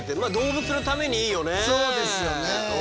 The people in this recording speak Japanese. そうですよね。